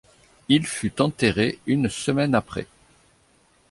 Il fut enterré une semaine après.